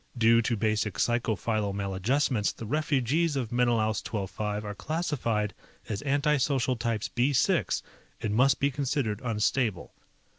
Due to basic psycho philo maladjustments the refugees of Menelaus XII 5 are classified as anti social types B 6 and must be considered unstable.